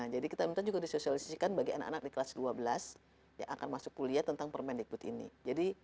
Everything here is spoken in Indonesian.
jadi kita minta juga disosialisasikan bagi anak anak di kelas dua belas yang akan masuk kuliah tentang permendikbud ini